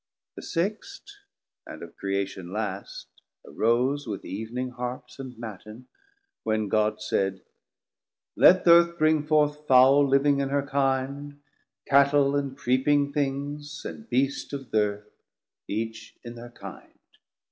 The Sixt, and of Creation last arose With Eevning Harps and Mattin, when God said, 450 Let th' Earth bring forth Fowle living in her kinde, Cattel and Creeping things, and Beast of the Earth, Each in their kinde.